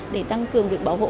để tăng cường việc bảo hộ